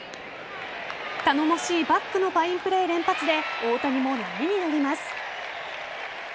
頼もしいバックのファインプレー連発で大谷も波に乗ります。